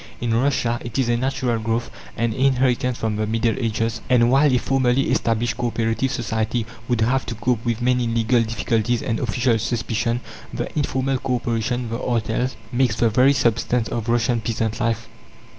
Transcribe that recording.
In Russia, it is a natural growth, an inheritance from the middle ages; and while a formally established co operative society would have to cope with many legal difficulties and official suspicion, the informal co operation the artel makes the very substance of Russian peasant life.